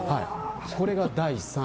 これが第３位。